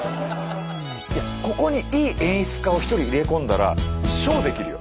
ここにいい演出家を一人入れ込んだらショーできるよ。